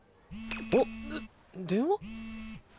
おっ電話？